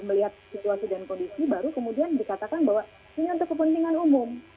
melihat situasi dan kondisi baru kemudian dikatakan bahwa ini untuk kepentingan umum